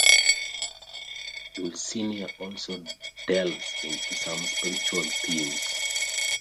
"Dulcinea" also delves into some spiritual themes.